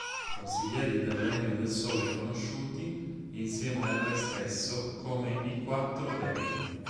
Consiglieri del Regno del Sole conosciuti, insieme al Re stesso, come i "quattro dèi".